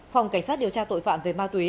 phòng cảnh sát điều tra tội phạm về ma túy